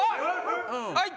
はい。